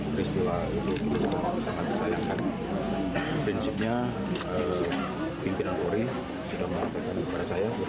peristiwa itu sangat disayangkan prinsipnya pimpinan polri tidak melakukan kepada saya